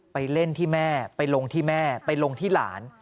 ไปเล่นที่แม่ไปลงที่แม่ไปลงที่หลาน